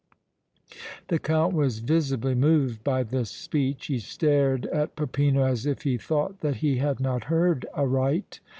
The Count was visibly moved by this speech. He stared at Peppino as if he thought that he had not heard aright.